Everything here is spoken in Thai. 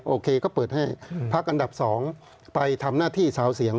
โอเคก็เปิดให้พักอันดับ๒ไปทำหน้าที่สาวเสียง